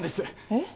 えっ？